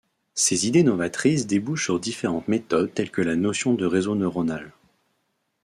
Ses idées novatrices débouchent sur différentes méthodes telles que la notion de réseau neuronal.